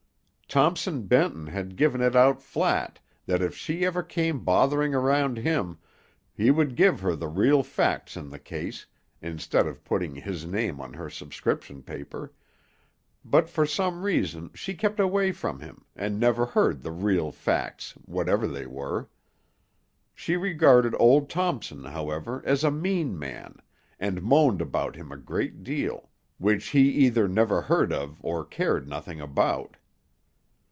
Thompson Benton had given it out flat that if she ever came bothering around him, he would give her the real facts in the case, instead of putting his name on her subscription paper, but for some reason she kept away from him, and never heard the real facts, whatever they were. She regarded old Thompson, however, as a mean man, and moaned about him a great deal, which he either never heard of or cared nothing about.